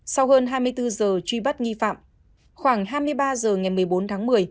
sau hơn hai mươi bốn giờ truy bắt nghi phạm khoảng hai mươi ba h ngày một mươi bốn tháng một mươi